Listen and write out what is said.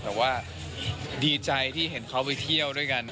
แต่ว่าดีใจที่เห็นเขาไปเที่ยวด้วยกัน